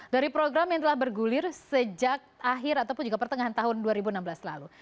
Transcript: dari program yang telah bergulir sejak akhir ataupun juga pertengahan tahun dua ribu enam belas lalu